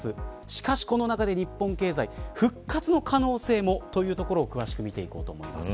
しかし、この中で日本経済復活の可能性もというところを詳しく見ていきます。